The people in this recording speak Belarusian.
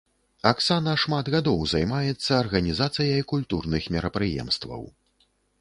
Аксана шмат гадоў займаецца арганізацыяй культурных мерапрыемстваў.